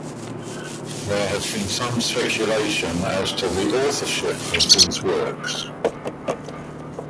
There has been some speculation as to the authorship of these works.